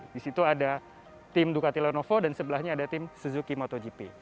di situ ada tim ducati lenovo dan sebelahnya ada tim suzuki motogp